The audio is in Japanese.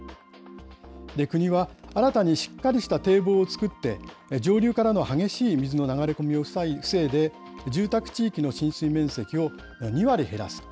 国は、新たにしっかりした堤防を造って、上流からの激しい水の流れ込みを防いで、住宅地域の浸水面積を２割減らすと。